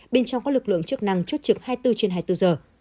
bên trong các lực lượng chức năng chốt trực hai mươi bốn trên hai mươi bốn giờ